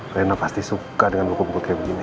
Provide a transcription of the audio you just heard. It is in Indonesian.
rena pasti suka dengan buku buku kayak begini